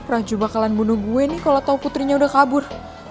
praju bakalan bunuh gue nih kalau tau putrinya udah kabur